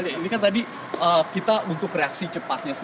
ini kan tadi kita untuk reaksi cepatnya